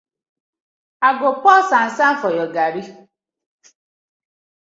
I go pour sand sand for your garri.